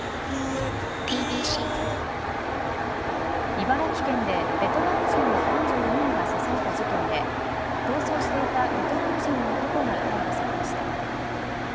茨城県でベトナム人の男女４人が刺された事件で逃走していたベトナム人の男が逮捕されました。